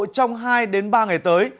trong hai đến ba ngày tới